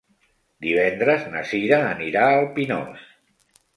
Divendres na Sira anirà al Pinós.